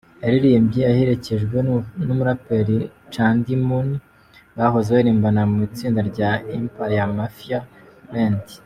Yaririmbye aherekejwe n’umuraperi Candy Moon bahoze baririmbana mu itsinda rya Emperial Mafia Land.